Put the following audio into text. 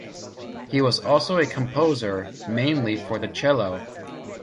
He was also a composer, mainly for the cello.